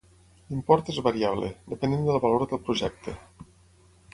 L'import és variable, depenent del valor del projecte.